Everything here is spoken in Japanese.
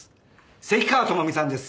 関川朋美さんです。